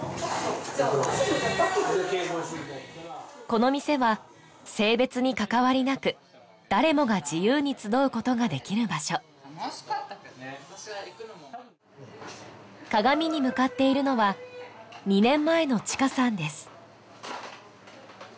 この店は性別にかかわりなく誰もが自由に集うことができる場所鏡に向かっているのは２年前のちかさんです